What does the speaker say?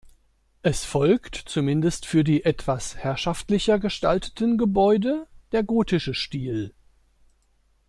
Es folgt zumindest für die etwas herrschaftlicher gestalteten Gebäude der gotische Stil.